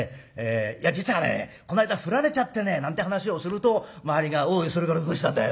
「実はねこの間フラれちゃってね」なんて話をすると周りが「おいそれからどうしたんだよ」